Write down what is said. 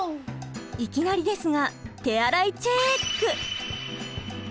いきなりですが手洗いチェック！